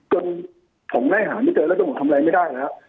ของไล่หาไม่เจอแล้วจนผมทำอะไรไม่ได้แล้ว